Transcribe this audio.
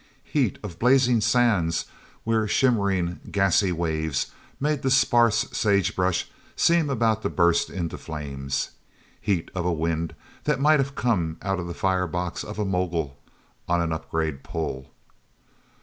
Heat of blazing sands where shimmering, gassy waves made the sparse sagebrush seem about to burst into flames. Heat of a wind that might have come out of the fire box of a Mogul on an upgrade pull.